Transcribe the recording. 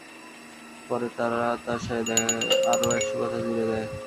পরে তারা তার সাথে আরো একশ কথা জুড়ে দেয়।